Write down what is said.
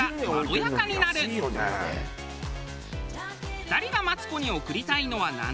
２人がマツコに贈りたいのは何年ものか？